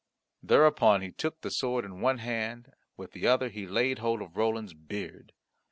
Thereupon he took the sword in one hand, with the other he laid hold of Roland's beard.